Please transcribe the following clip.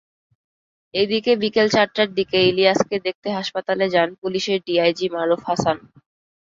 এদিকে বিকেল চারটার দিকে ইলিয়াসকে দেখতে হাসপাতালে যান পুলিশের ডিআইজি মারুফ হাসান।